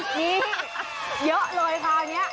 นี่เยอะเลยค่ะอันนี้